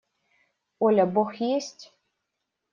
– Оля, бог есть?